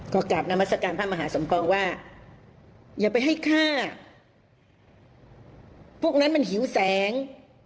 ก็กราบนามัศกาลพระมหาสมปองว่าอย่าไปให้ฆ่าพวกนั้นมันหิวแสง